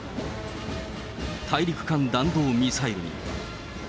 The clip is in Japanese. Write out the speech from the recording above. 大陸間弾道ミサイルも。